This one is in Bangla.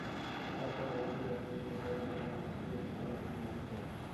পাঁচটা টাকা চেয়ে পাঠিয়েচে, কোথায পাবো ঠাকুরপো, কি রকম পরাধীন জানো তো?